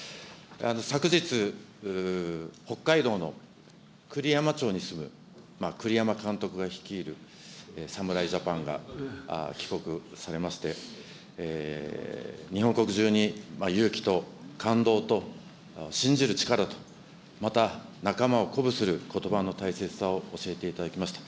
昨日、北海道の栗山町に住む栗山監督が率いる侍ジャパンが帰国されまして、日本国中に勇気と感動と信じる力と、また仲間を鼓舞することばの大切さを教えていただきました。